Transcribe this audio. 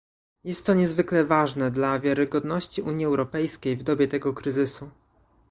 Jest to niezwykle ważne dla wiarygodności Unii Europejskiej w dobie tego kryzysu